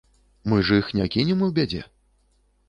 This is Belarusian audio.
Мы ж іх не кінем у бядзе?